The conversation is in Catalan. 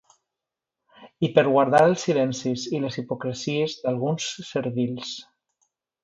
I per guardar els silencis i les hipocresies d'alguns servils.